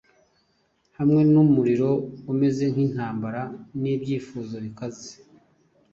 hamwe numuriro umeze nkintambara nibyifuzo bikaze.